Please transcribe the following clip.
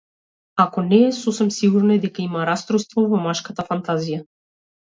Ако не е, сосем сигурно е дека има растројство во машката фантазија.